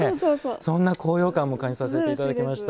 そんな高揚感も感じさせていただきました。